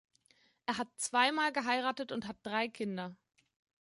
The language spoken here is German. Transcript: Er hat zwei Mal geheiratet und hat drei Kinder.